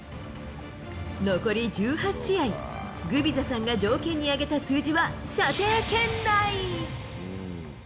残り１８試合、グビザさんが条件に挙げた数字は射程圏内。